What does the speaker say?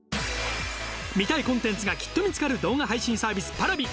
観たいコンテンツがきっと見つかる動画配信サービスＰａｒａｖｉ。